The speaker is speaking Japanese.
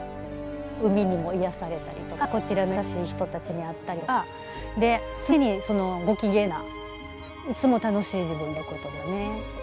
海にも癒やされたりとかこちらの優しい人たちに会ったりとか常にご機嫌ないつも楽しい自分でいられることですかね。